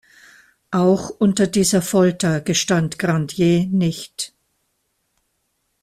Auch unter dieser Folter gestand Grandier nicht.